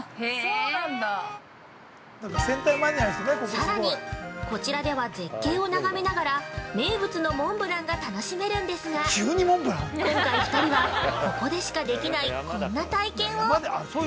さらに、こちらでは絶景を眺めながら、名物のモンブランが楽しめるんですが今回、２人は、ここでしかできないこんな体験を。